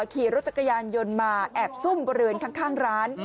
ขี่รถจักรยานยนต์มาแอบซุ่มบริเวณข้างร้าน